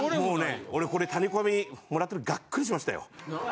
俺これタレコミもらってがっくりしましたよ。